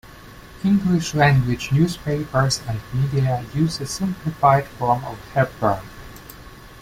English-language newspapers and media use the simplified form of Hepburn.